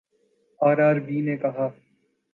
RRB نے کہا